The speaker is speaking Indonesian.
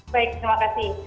baik terima kasih